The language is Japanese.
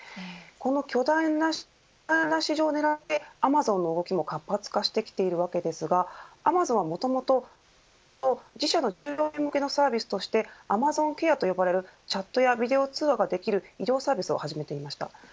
この巨大な市場を狙ってアマゾンの動きも活発化してきているわけですがアマゾンはもともと自社の従業員向けのサービスとしてアマゾンケアと呼ばれるチャットやビデオ通話ができるサービスを始めていました。